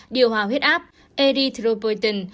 điều hòa huyết áp erythropoietin